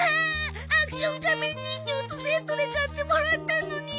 アクション仮面人形とセットで買ってもらったのに。